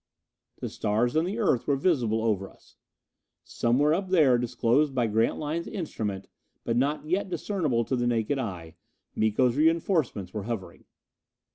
The stars and the Earth were visible over us. Somewhere up there disclosed by Grantline's instrument but not yet discernible to the naked eye, Miko's reinforcements were hovering.